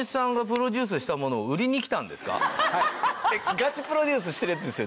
ガチプロデュースしてるやつですよね？